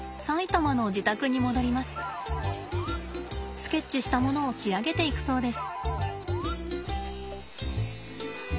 スケッチしたものを仕上げていくそうです。